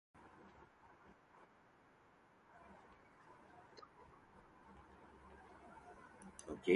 Leslie, bought the paper.